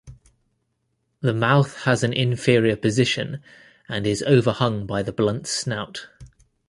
The mouth has an inferior position and is overhung by the blunt snout.